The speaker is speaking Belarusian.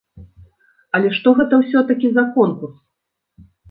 Але што гэта ўсё-такі за конкурс?